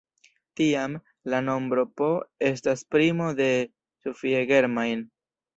Tiam, la nombro "p" estas primo de Sophie Germain.